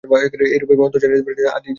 এইরূপে অন্ত জানিতে পারিলেই আদি জানিতে পারিব।